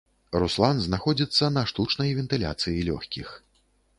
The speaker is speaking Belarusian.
Руслан знаходзіцца на штучнай вентыляцыі лёгкіх.